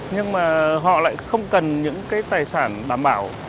nhưng mà họ lại không cần những cái tài sản đảm bảo